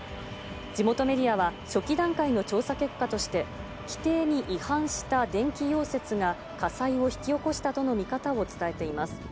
地元メディアは、初期段階の調査結果として、規定に違反した電気溶接が、火災を引き起こしたとの見方を伝えています。